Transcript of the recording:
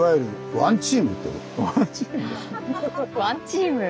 ワンチーム。